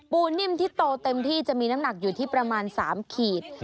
นิ่มที่โตเต็มที่จะมีน้ำหนักอยู่ที่ประมาณ๓ขีด